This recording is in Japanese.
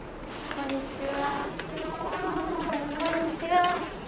こんにちは。